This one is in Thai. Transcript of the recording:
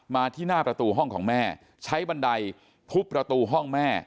มาที่หน้าประตูห้องของแม่ใช้บันไดทุบประตูห้องแม่